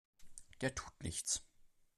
Der tut nichts!